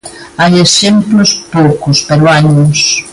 Hai exemplos, poucos, pero hainos.